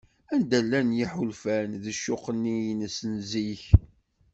Anda llan yiḥulfan d ccuq-nni-ines n zik?